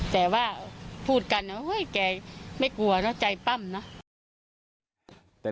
แต่พูดกันแกไม่กลัวแต่รู้จัยป้ำ